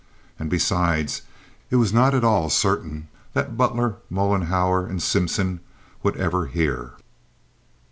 And besides it was not at all certain that Butler, Mollenhauer, and Simpson would ever hear.